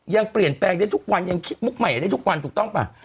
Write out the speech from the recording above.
ยังเปลี่ยนแปลงได้ทุกวันยังคิดมุกใหม่ได้ทุกวันถูกต้องป่ะ